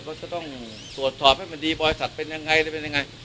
ก็จะต้องตรวจสอบให้มันดีบริษัทเป็นยังไงหรือเป็นยังไง